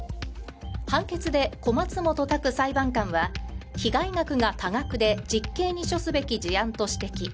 判決で小松本卓裁判官は被害額が多額で実刑に処すべき事案と指摘。